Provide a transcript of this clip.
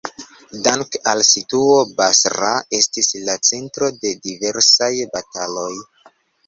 Dank al situo, Basra estis la centro de diversaj bataloj.